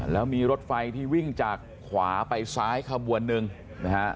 แล้วมีรถไฟที่วิ่งจากขวาไปซ้ายขบวนหนึ่งนะฮะ